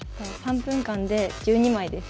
３分間で１２枚です。